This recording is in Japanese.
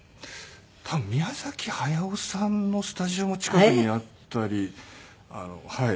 多分宮崎駿さんのスタジオも近くにあったりはい。